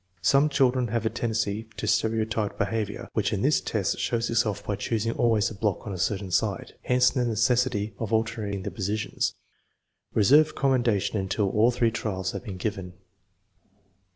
Some children have a tendency to stereotyped behavior, which in this test shows itself by choosing always the block on a certain side. Hence the necessity of alternating the positions. 1 Reserve com mendation until all three trials have been given.